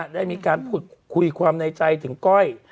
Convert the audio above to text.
ได้มีการพูดคุยความในใจถึงก้อย